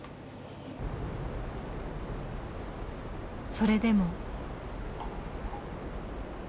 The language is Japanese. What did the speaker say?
それでも。